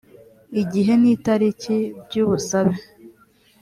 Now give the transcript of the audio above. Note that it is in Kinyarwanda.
igihe n itariki by ubusabe